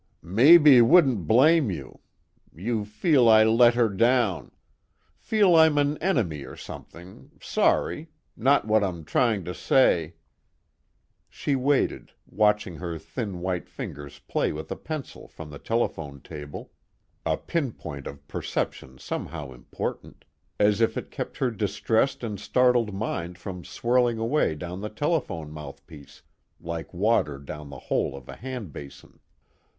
"Maybe wouldn't blame you. You feel I let her down. Feel I'm an enemy or something sorry not what I'm trying to say " She waited, watching her thin white fingers play with a pencil from the telephone table, a pinpoint of perception somehow important, as if it kept her distressed and startled mind from swirling away down the telephone mouthpiece like water down the hole of a handbasin.